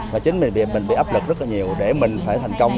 và chính mình bị áp lực rất nhiều để mình thành công